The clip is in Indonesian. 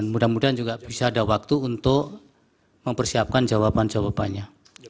mudah mudahan juga bisa ada waktu untuk mempersiapkan jawaban jawabannya